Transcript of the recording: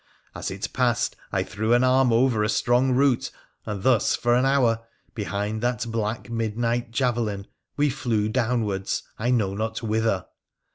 As it passed I threw an arm over a strong root, and thus, for an hour, behind that black mid night javelin we flew downwards, I knew not whither.